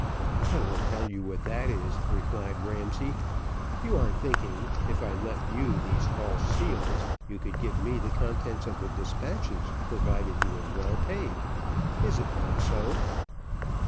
"I will tell you what that is," replied Ramsay. "You are thinking, if I left you these false seals, you could give me the contents of the despatches, provided you were well paid. Is it not so?"